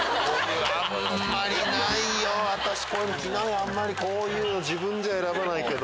あんまりこういうの自分じゃ選ばないけど。